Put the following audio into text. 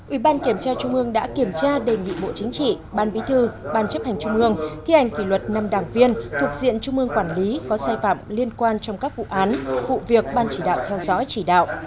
ủy ban kiểm tra trung ương đã kiểm tra đề nghị bộ chính trị ban bí thư ban chấp hành trung ương thi hành kỷ luật năm đảng viên thuộc diện trung ương quản lý có sai phạm liên quan trong các vụ án vụ việc ban chỉ đạo theo dõi chỉ đạo